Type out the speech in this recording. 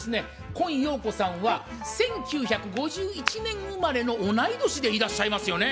今陽子さんは１９５１年生まれの同い年でいらっしゃいますよね。